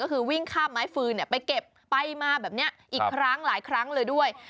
ก็คือวิ่งข้ามไม้ฟืนไปเก็บไปมาแบบนี้อีกครั้งหลายครั้งเลยด้วย